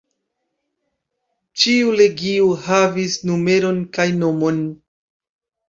Ĉiu legio havis numeron kaj nomon.